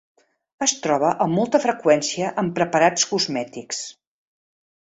Es troba amb molta freqüència en preparats cosmètics.